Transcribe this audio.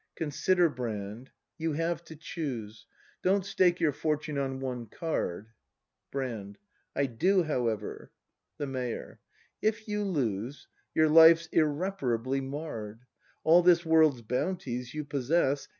Consider, Brand, you have to choose! Don't stake your fortune on one card. Brand. I do, however! The Mayor. If you lose, Your life's irreparably marr'd. All this world's bounties you possess.